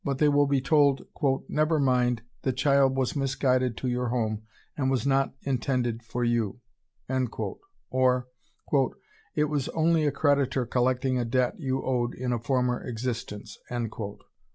they will be told, "Never mind, the child was misguided to your home, and was not intended for you." Or, "It was only a creditor collecting a debt you owed in a former existence."